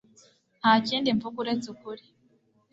Nta kindi mvuga uretse ukuri